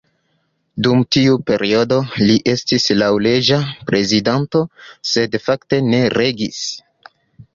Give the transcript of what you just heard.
Dum tiu periodo, li estis laŭleĝa prezidanto, sed fakte ne regis.